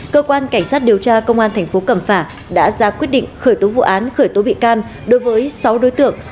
cơ quan cảnh sát điều tra công an thành phố cẩm phả đã ra quyết định khởi tố vụ án khởi tố bị can đối với sáu đối tượng